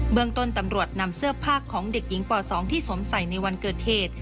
เมืองต้นตำรวจนำเสื้อผ้าของเด็กหญิงป๒ที่สวมใส่ในวันเกิดเหตุ